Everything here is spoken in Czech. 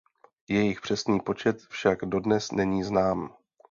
Jejich přesný počet však dodnes není znám.